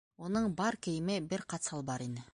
Уның бар кейеме - бер ҡат салбар ине.